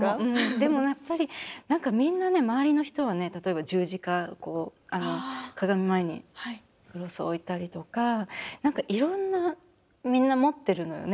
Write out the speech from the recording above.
でもやっぱり何かみんなね周りの人はね例えば十字架鏡前にクロス置いたりとか何かいろんなみんな持ってるのよね。